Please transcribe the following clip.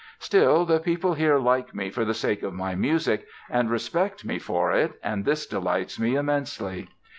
Still "the people here like me for the sake of my music and respect me for it and this delights me immensely".